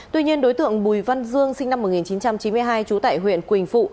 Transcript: tuy nhiên đối tượng bùi văn dương sinh năm một nghìn chín trăm chín mươi hai trú tại huyện quỳnh phụ